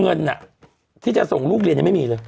เงินที่จะส่งลูกเรียนยังไม่มีเลย